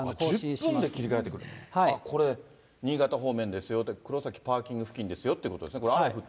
１０分で切り替えてくれる、これ、新潟方面ですよって、黒崎パーキング付近ですよということですね。